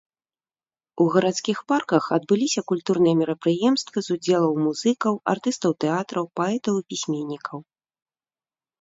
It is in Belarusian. У гарадскіх парках адбыліся культурныя мерапрыемствы з удзелам музыкаў, артыстаў тэатраў, паэтаў і пісьменнікаў.